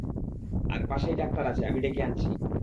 আরে পাশেই ডাক্তার আছে, আমি ডেকে আনছি।